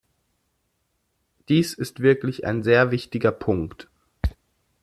Dies ist wirklich ein sehr wichtiger Punkt.